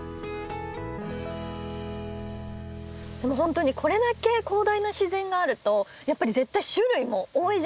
本当にこれだけ広大な自然があるとやっぱり絶対種類も多いじゃないですか。